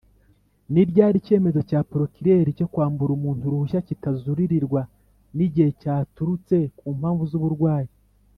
ni ryari icyemezo cya polokirere cyo kwambura umuntu Uruhushya kitazuririrwa? nigihe cyaturutse kumpamvu z’uburwayi